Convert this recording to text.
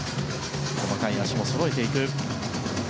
細かい脚もそろえていく。